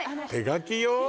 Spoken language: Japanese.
手描きよ